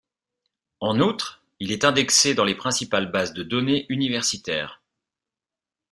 En outre, il est indexé dans les principales bases de données universitaires.